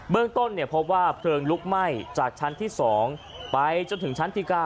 เมืองต้นพบว่าเพลิงลุกไหม้จากชั้นที่๒ไปจนถึงชั้นที่๙